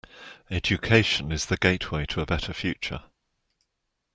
Education is the gateway to a better future.